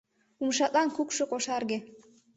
Умшатлан кукшо кошарге.